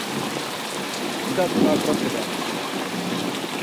Vidat do ar votzǩedat.